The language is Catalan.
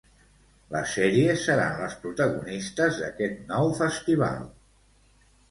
Les sèries seran les protagonistes d'aquest nou festival.